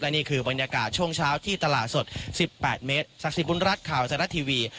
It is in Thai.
และนี่คือบรรยากาศช่วงเช้าที่ตลาดสดสิบแปดเมตรศักดิ์ศรีปุ่นรัฐข่าวสรรค์ทีวี